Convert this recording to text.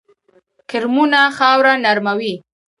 کرمونه خاوره نرموي